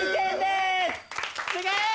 すげえ！